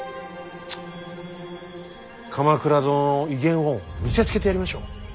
鎌倉殿の威厳を見せつけてやりましょう。